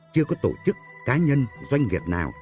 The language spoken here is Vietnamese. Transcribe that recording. chưa có tổ chức cá nhân doanh nghiệp nào